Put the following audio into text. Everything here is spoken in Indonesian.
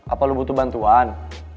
apa lo butuh bantuan